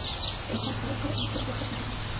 د انسان خلقت د دنیا او آخرت لپاره دی.